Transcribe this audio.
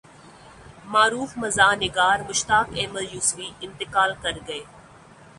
معروف مزاح نگار مشتاق احمد یوسفی انتقال کرگئے